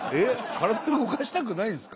体動かしたくないんですか？